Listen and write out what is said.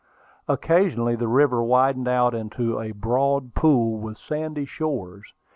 Occasionally the river widened out into a broad pool, with sandy shores.